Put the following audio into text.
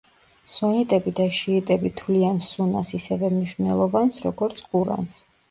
სუნიტები და შიიტები თვლიან სუნას ისევე მნიშვნელოვანს როგორც ყურანს.